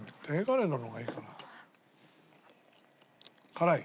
辛い？